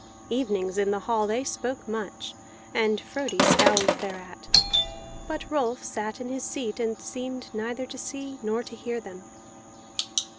Evenings in the hall they spoke much, and Frodi scowled thereat; but Rolf sat in his seat and seemed neither to see nor to hear them.